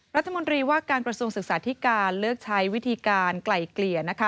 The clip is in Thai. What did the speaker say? รัฐมนตรีว่าการกระทรวงศึกษาธิการเลือกใช้วิธีการไกล่เกลี่ย